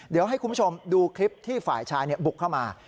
เดี๋ยวให้คุณผู้ชมดูคลิปที่ฝ่ายชายบุกเข้ามา